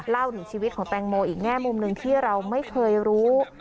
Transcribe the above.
เล่าถึงชีวิตของแตงโมอีกแง่มุมหนึ่งที่เราไม่เคยรู้